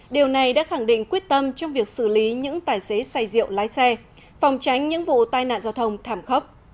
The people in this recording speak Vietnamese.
điều này đã khẳng định quyết tâm trong việc xử lý những tài xế say rượu lái xe phòng tránh những vụ tai nạn giao thông thảm khốc